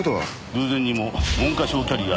偶然にも文科省キャリア